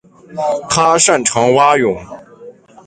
他擅长蛙泳。